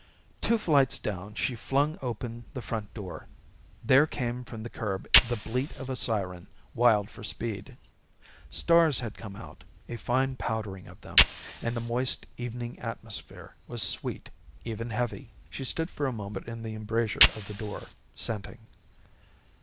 Two flights down she flung open the front door. There came from the curb the bleat of a siren, wild for speed. Stars had come out, a fine powdering of them, and the moist evening atmosphere was sweet, even heavy. She stood for a moment in the embrasure of the door, scenting.